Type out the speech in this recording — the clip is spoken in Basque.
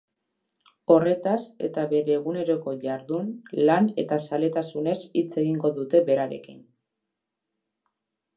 Horretaz eta bere eguneroko jardun, lan eta zaletasunez hitz egingo dute berarekin.